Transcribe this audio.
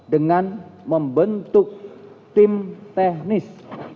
dengan membentuk tim teknis